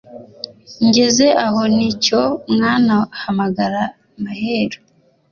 ngeze aho nti cyo mwana hamagara maheru